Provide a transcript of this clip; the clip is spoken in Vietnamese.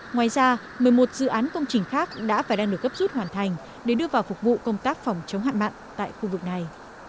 ngoài ra một mươi một dự án công trình khác đã và đang được gấp rút hoàn thành để đưa vào phục vụ công tác phòng chống hạn mặn tại khu vực này